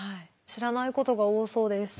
知らないことが多そうです。